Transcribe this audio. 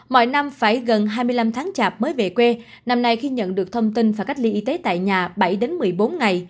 mọi năm phải gần hai mươi năm tháng chạp mới về quê năm nay khi nhận được thông tin và cách ly y tế tại nhà bảy đến một mươi bốn ngày